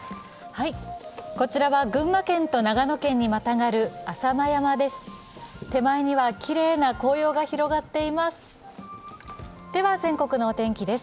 こちらは群馬県と長野県にまたがる浅間山です。